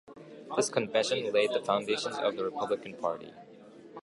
This convention laid the foundations of the Republican Party.